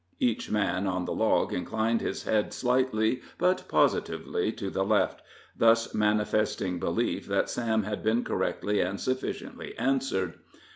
Each man on the log inclined his head slightly but positively to the left, thus manifesting belief that Sam had been correctly and sufficiently answered.